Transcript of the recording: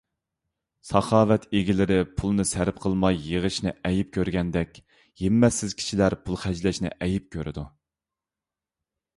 ساخاۋەت ئىگىلىرى پۇلنى سەرپ قىلماي يىغىشنى ئەيىب كۆرگەندەك، ھىممەتسىز كىشىلەر پۇل خەجلەشنى ئەيىب كۆرىدۇ.